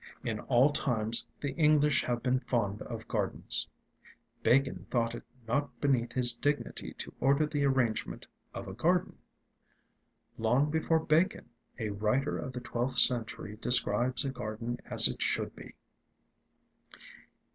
In all times the English have been fond of gardens. Bacon thought it not beneath his dignity to order the arrangement of a garden. Long before Bacon, a writer of the twelfth century describes a garden as it should be.